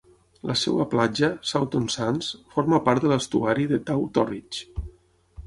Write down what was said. La seva platja, Saunton Sands, forma part de l'estuari de Taw-Torridge.